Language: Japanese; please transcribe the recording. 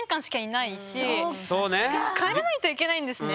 やはり帰らないといけないんですね。